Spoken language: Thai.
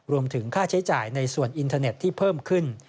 รวมถึงค่าใช้จ่ายในส่วนอินเทอร์เน็ตที่เพิ่มขึ้น